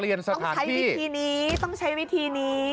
ต้องใช้วิธีนี้ต้องใช้วิธีนี้